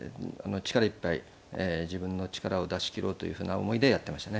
力いっぱい自分の力を出し切ろうというふうな思いでやってましたね。